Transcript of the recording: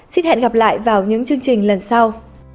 xin hẹn gặp lại vào những chương trình lần sau